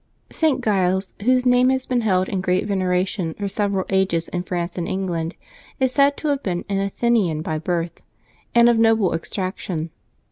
[t. Giles, whose name has been held in great venera tion for several ages in France and England, is said to have been an Athenian by birth, and of noble extrac tion.